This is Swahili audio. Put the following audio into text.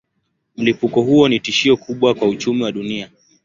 Mlipuko huo ni tishio kubwa kwa uchumi wa dunia.